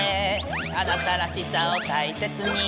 「あなたらしさをたいせつに」